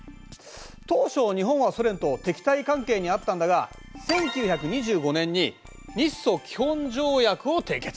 当初日本はソ連と敵対関係にあったんだが１９２５年に日ソ基本条約を締結。